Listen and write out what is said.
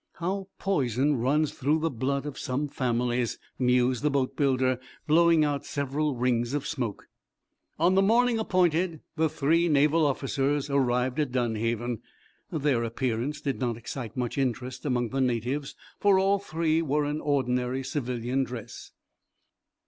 "How poison runs through the blood of some families," mused the boatbuilder, blowing out several rings of smoke. On the morning appointed the three Naval officers arrived at Dunhaven. Their appearance did not excite much interest among the natives, for all three were in ordinary civilian dress.